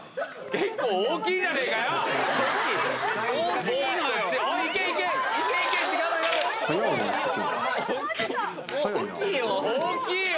結構大きいじゃねえかよ！